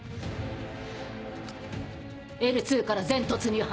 Ｌ２から全突入班。